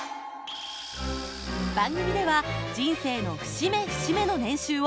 番組では人生の節目節目の年収を随時発表。